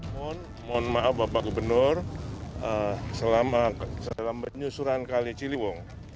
mohon maaf bapak gubernur dalam penyusuran kali ciliwung